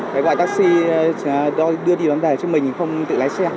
thế gọi taxi đưa đi làm thế chứ mình không tự lái xe